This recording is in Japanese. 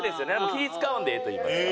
気ぃ使わんでええといいますか。